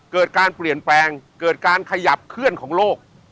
เกิดการเปลี่ยนแปลงเกิดการขยับเคลื่อนของโลก